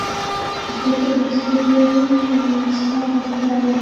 সেতো কিছুতেই ছাড়া পাবে না, লিখে দিতে পারি।